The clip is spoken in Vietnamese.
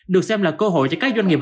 được xem là cơ hội cho các doanh nghiệp